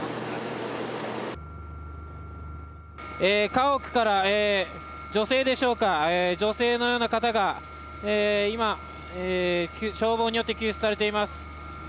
家屋から女性のような方が今、消防によって救出されています。